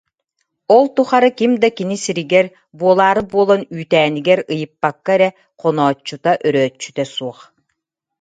Ол тухары ким да кини сиригэр, буолаары буолан үүтээнигэр ыйыппакка эрэ хонооччута-өрөөччүтэ суох